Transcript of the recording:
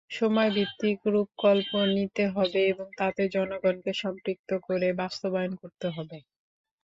সময়ভিত্তিক রূপকল্প নিতে হবে এবং তাতে জনগণকে সম্পৃক্ত করে বাস্তবায়ন করতে হবে।